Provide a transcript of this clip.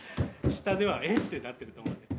下では「え！」ってなってると思うよ。